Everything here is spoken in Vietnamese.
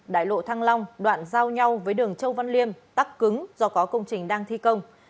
đại lộ thăng long đoạn giao nhau với đường châu văn liêm tắc cứng do có công trình đang thi công